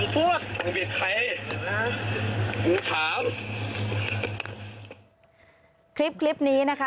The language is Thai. ผู้ทำอะไรผิดแล้วก็ร้องไห้ไปด้วยนี่นะคะ